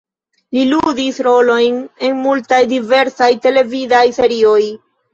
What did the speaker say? Li ludis rolojn en multaj diversaj televidaj serioj.